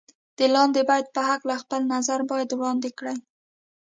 د لاندې بیت په هکله خپل نظر باید وړاندې کړئ.